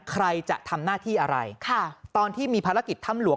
ใครจะทำหน้าที่อะไรค่ะตอนที่มีภารกิจถ้ำหลวง